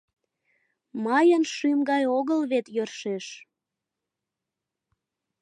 Мыйын шӱм гай огыл вет йӧршеш».